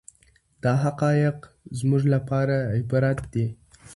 دا حقایق زموږ لپاره عبرت دي.